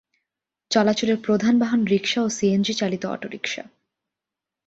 চলাচলের প্রধান বাহন রিক্সা ও সিএনজি চালিত অটোরিক্সা।